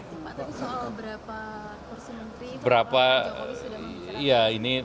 pak tapi soal berapa persen menteri jokowi sudah memilih